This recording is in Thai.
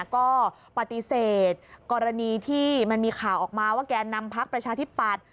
ก็ปฏิเสธกรณีที่มันมีข่าวออกมาว่าแกนนำพักประชาธิปัตย์